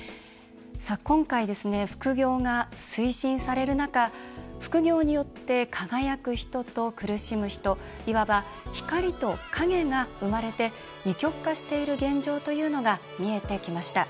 今回、副業が推進される中副業によって輝く人と苦しむ人いわば光と影が生まれて二極化している現状が見えてきました。